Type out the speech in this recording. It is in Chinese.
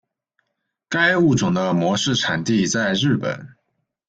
该物种的模式产地在日本。